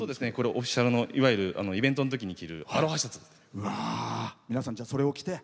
オフィシャルのイベントのときに着るアロハシャツ。